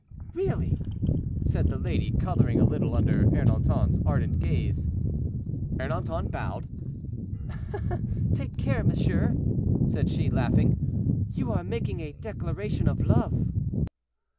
"Really," said the lady, coloring a little under Ernanton's ardent gaze. Ernanton bowed. "Take care, monsieur," said she, laughing, "you are making a declaration of love."